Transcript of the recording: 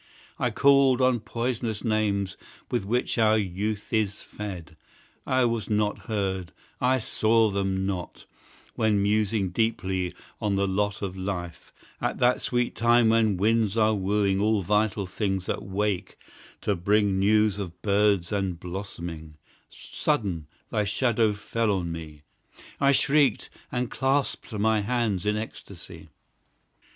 I called on poisonous names with which our youth is fed; I was not heard I saw them not When musing deeply on the lot Of life, at that sweet time when winds are wooing All vital things that wake to bring News of birds and blossoming, Sudden, thy shadow fell on me; I shrieked, and clasped my hands in ecstasy!